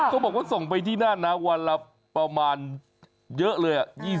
บอกว่าส่งไปที่นั่นนะวันละประมาณเยอะเลย